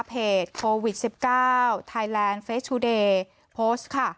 เพจโควิดสิบเก้าไทยแลนด์เฟสทูเดย์โพสต์ค่ะ